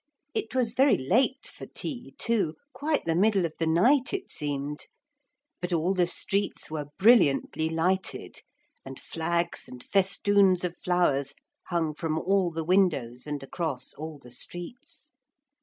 It was very late for tea, too, quite the middle of the night it seemed. But all the streets were brilliantly lighted, and flags and festoons of flowers hung from all the windows and across all the streets.